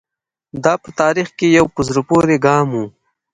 دا په تاریخ کې یو په زړه پورې ګام و.